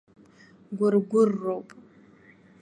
Гәыргәырроуп.